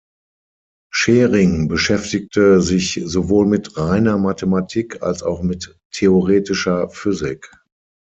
Schering beschäftigte sich sowohl mit reiner Mathematik als auch mit theoretischer Physik.